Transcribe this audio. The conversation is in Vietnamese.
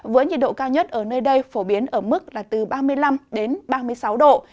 với nhiệt độ cao nhất ở nơi đây phổ biến ở mức là từ ba mươi năm đến ba mươi sáu độ